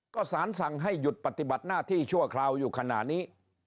ก็สารสั่งให้หยุดปฏิบัติหน้าที่ชั่วคราวอยู่ขณะนี้